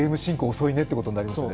遅いねってことになりますね。